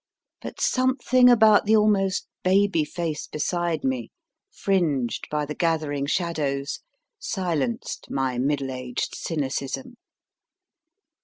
But something about the almost baby face beside me, fringed by the gathering shadows, silenced my middle aged cynicism.